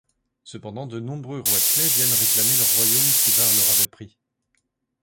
Cependant, de nombreux roitelets viennent réclamer leurs royaumes qu'Ivar leur avait pris.